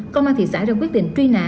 công an thị xã đã quyết định truy nã